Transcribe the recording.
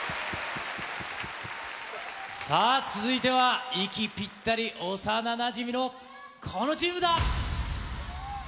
さあ続いては、息ぴったり、幼なじみのこのチームだ。